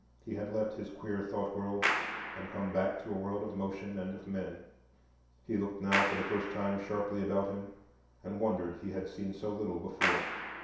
He had left his queer thought world and come back to a world of motion and of men. He looked now for the first time sharply about him, and wondered he had seen so little before.